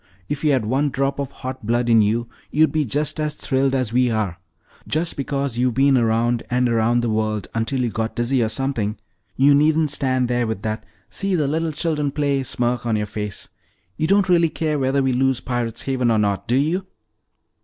If you had one drop of hot blood in you, you'd be just as thrilled as we are. Just because you've been around and around the world until you got dizzy or something, you needn't stand there with that 'See the little children play' smirk on your face. You don't really care whether we lose Pirate's Haven or not, do you?"